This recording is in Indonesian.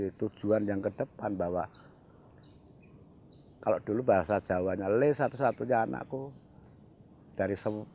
punya itu tujuan yang kedepan bahwa kalau dulu bahasa jawa nyales satu satunya anakku dari sebelas